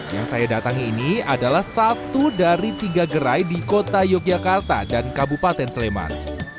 yang saya datangi ini adalah satu dari tiga gerai di kota yogyakarta dan kabupaten sleman